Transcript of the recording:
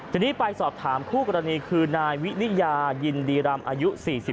ทีนี้ไปสอบถามคู่กรณีคือนายวินิยายยินดีรำอายุ๔๒